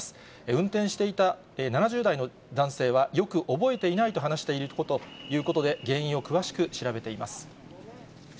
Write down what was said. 運転していた７０代の男性は、よく覚えていないと話しているということで、原因を詳しく調べています。